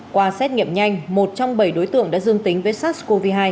qua xét nghiệm nhanh một trong bảy đối tượng đã dương tính với sars cov hai